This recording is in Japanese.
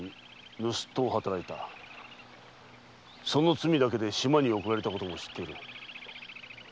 その罪だけで島に送られたことも知っている。